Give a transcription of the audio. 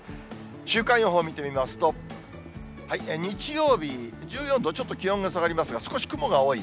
週間予報見てみますと、日曜日、１４度、ちょっと気温が下がりますが、少し雲が多い。